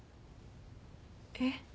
えっ？